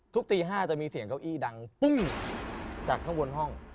ตี๕จะมีเสียงเก้าอี้ดังปุ้งจากข้างบนห้อง